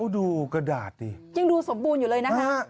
ดูกระดาษดิยังดูสมบูรณ์อยู่เลยนะคะ